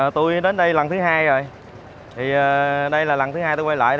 tôi đến đây lần thứ hai rồi thì đây là lần thứ hai tôi quay lại